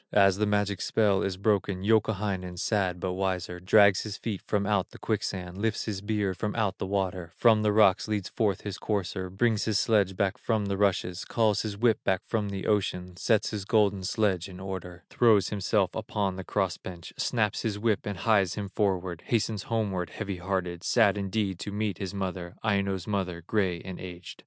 As the magic spell is broken, Youkahainen, sad, but wiser, Drags his feet from out the quicksand, Lifts his beard from out the water, From the rocks leads forth his courser, Brings his sledge back from the rushes, Calls his whip back from the ocean, Sets his golden sledge in order, Throws himself upon the cross bench, Snaps his whip and hies him homeward, Hastens homeward, heavy hearted, Sad indeed to meet his mother, Aino's mother, gray and aged.